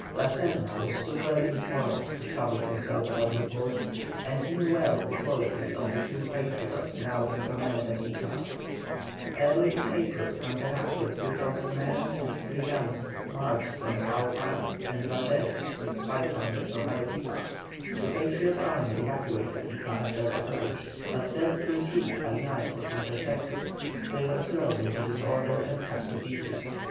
La Serna was too well informed to trouble himself about reports, and knew well the quality of the two Patriots now in command at Ica. Early in April Canterac, with 2,000 men and three guns, marched from Jauja, and Valdés with 500 from Arequipa. The Patriot army evacuated Ica at their approach, but their retreat by night was intercepted, they were thrown into disorder and cut to pieces.